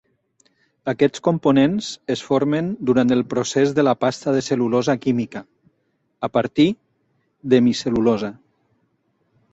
Aquests components es formen durant el procés de la pasta de cel·lulosa química, a partir d'hemicel·lulosa.